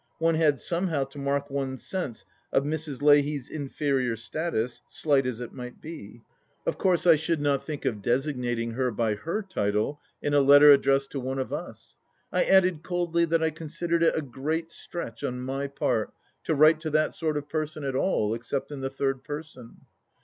One had somehow to mark one's sense of Mrs. Leahy's mferior status, slight as it might be. Of THE LAST DITCH 25 course I should not think of designating her by her title in a letter addressed to one of Us. I added coldly that I considered it a great stretch on my part to write to that sort of person at all, except in the third person.